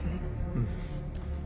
うん。